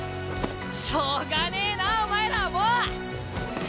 しょうがねえなお前らはもう！